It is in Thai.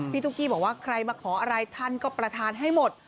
ตุ๊กกี้บอกว่าใครมาขออะไรท่านก็ประธานให้หมด